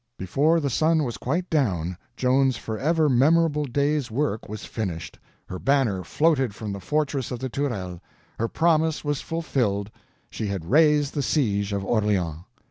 Before the sun was quite down, Joan's forever memorable day's work was finished, her banner floated from the fortress of the Tourelles, her promise was fulfilled, she had raised the siege of Orleans!